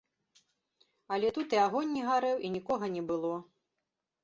Але тут і агонь не гарэў, і нікога не было.